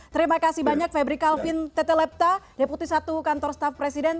terima kasih banyak fabrik calvin tete lepta deputi satu kantor staff presiden